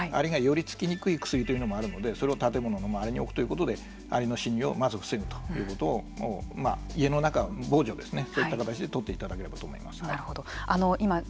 あるいは寄りつきにくい薬もあるのでそれを建物の周りに置くということでアリの侵入をまず防ぐということを家の中の防除ですねそういった形で取っていただければと思います。